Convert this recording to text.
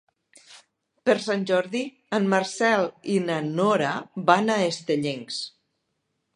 Per Sant Jordi en Marcel i na Nora van a Estellencs.